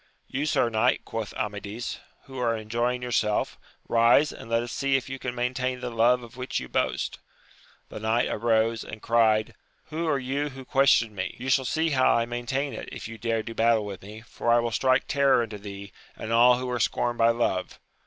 You sir knight, quoth Amadis, who are enjoying yourself, rise, and let us see if you can maintain the love of which you boast. The knight arose, and cried. Who are you who ques tion me ? you shall see how I maintain it, if you dare do battle with me, for I will strike terror into thee, and all who are scorned by love.